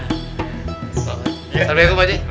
assalamualaikum pak haji